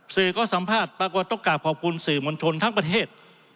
สื่อก็สัมภาษณ์ปรากฎตกกราบขอบคุณสื่อมณฑลทั้งประเทศ